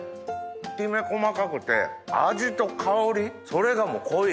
きめ細かくて味と香りそれがもう濃い！